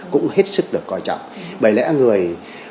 cũng hết sức được quan trọng bởi lẽ người